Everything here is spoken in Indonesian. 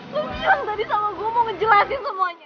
gue bilang tadi sama gue mau ngejelasin semuanya